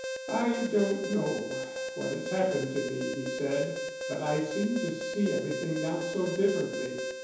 "I don't know what has happened to me," he said, "but I seem to see everything now so differently.